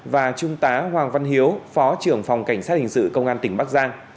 và trung tá hoàng văn hiếu phó trưởng phòng cảnh sát hình sự công an tỉnh bắc giang